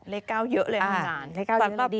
เลข๙เยอะเลยอาจารย์